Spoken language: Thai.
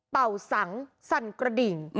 เป่าสังสั่นกระดิ่ง